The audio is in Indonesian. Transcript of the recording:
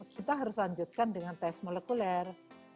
kita harus lanjutkan dengan tes molekuler